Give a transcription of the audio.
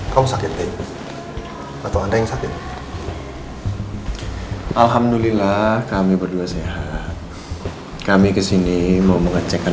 kamu sakit atau anda yang sakit alhamdulillah kami berdua sehat kami kesini mau mengecekkan